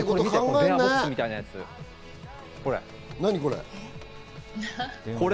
電話ボックスみたいなやつ、これ。